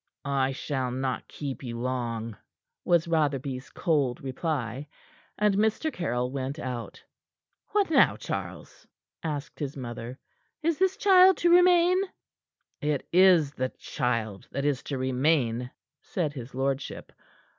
"I shall not keep you long," was Rotherby's cold reply, and Mr. Caryll went out. "What now, Charles?" asked his mother. "Is this child to remain?" "It is the child that is to remain," said his lordship.